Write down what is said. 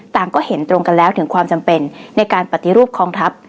ก็เห็นตรงกันแล้วถึงความจำเป็นในการปฏิรูปกองทัพ